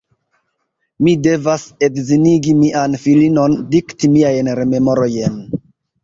Mi devas edzinigi mian filinon, dikti miajn rememorojn.